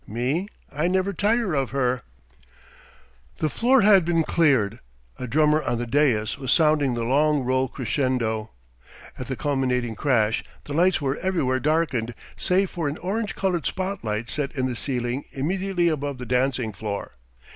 Me, I never tire of her." The floor had been cleared. A drummer on the dais was sounding the long roll crescendo. At the culminating crash the lights were everywhere darkened save for an orange coloured spot light set in the ceiling immediately above the dancing floor.